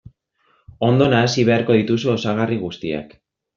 Ondo nahasi beharko dituzu osagarri guztiak.